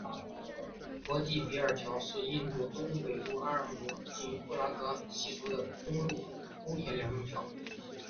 博济比尔桥是印度东北部阿萨姆邦横跨布拉马普特拉河的公铁两用桥。